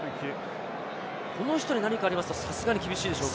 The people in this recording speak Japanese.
この人に何かあると、またさすがに厳しいでしょうか？